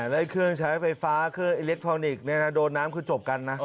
และเครื่องใช้ไฟฟ้าเครื่องอิเล็กทรอนิกส์โดนน้ำคือจบกันนะ